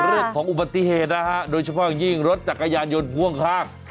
เรื่องของอุบัติเหตุนะฮะโดยเฉพาะอย่างยิ่งรถจักรยานยนต์พ่วงข้าง